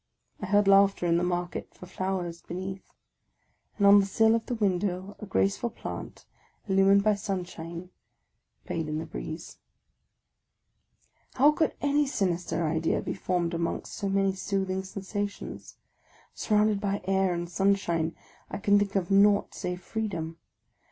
I heard laugh ter in the Market for Flowers beneath; and on the sill of the window a graceful plant, illumined by sunshine, played in the breeze. How could any sinister idea be formed amongst so many soothing sensations? Surrounded by air and sunshine, I could think of nought save freedom.